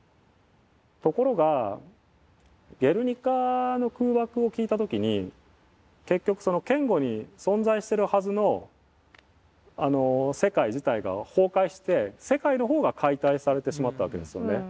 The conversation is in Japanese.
ところがゲルニカの空爆を聞いた時に結局その堅固に存在してるはずの世界自体が崩壊して世界の方が解体されてしまったわけですよね。